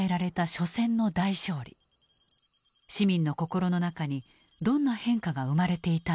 市民の心の中にどんな変化が生まれていたのか。